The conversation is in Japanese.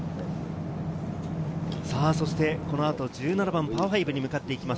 そしてこのあと１７番パー５に向かっていきます。